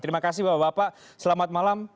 terima kasih bapak bapak selamat malam